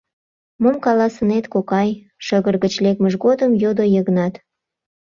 — Мом каласынет, кокай? — шыгыр гыч лекмыж годым йодо Йыгнат.